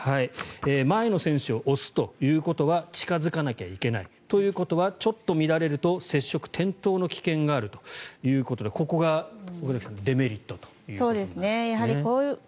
前の選手を押すということは近付かなきゃいけない。ということはちょっと乱れると接触、転倒の危険性があるということでここが岡崎さんデメリットという。